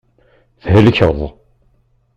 Thelkeḍ.